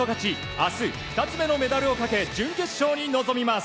明日、２つ目のメダルをかけ準決勝に臨みます。